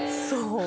そう。